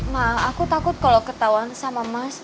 ma aku takut kalo ketauan sama mas